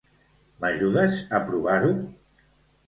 M'ajudes a provar-ho?